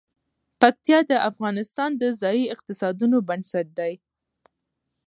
پکتیا د افغانستان د ځایي اقتصادونو بنسټ دی.